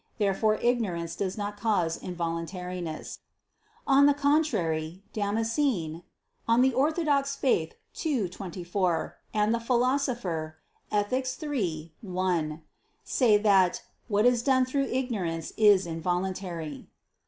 Therefore ignorance does not cause involuntariness. On the contrary, Damascene (De Fide Orth. ii, 24) and the Philosopher (Ethic. iii, 1) say that "what is done through ignorance is involuntary."